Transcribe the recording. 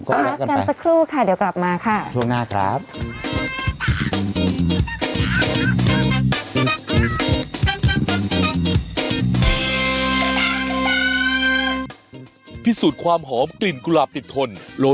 ก็และกันสักครู่ค่ะเดี๋ยวกลับมาค่ะ